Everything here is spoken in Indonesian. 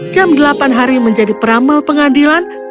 jam delapan hari menjadi peramal pengadilan